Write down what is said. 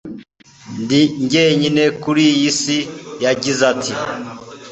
Ndi jyenyine kuri iyi si yagize ati